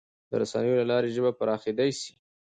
د رسنیو له لارې ژبه پراخېدای سي.